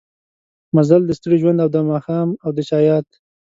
مزل د ستړي ژوند او دا ماښام او د چا ياد